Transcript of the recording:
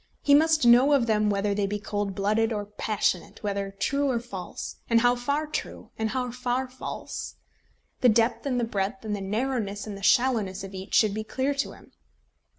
He must know of them whether they be cold blooded or passionate, whether true or false, and how far true, and how far false. The depth and the breadth, and the narrowness and the shallowness of each should be clear to him.